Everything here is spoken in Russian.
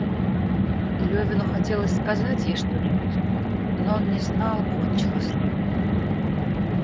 Левину хотелось сказать ей что-нибудь, но он не знал, кончилось ли.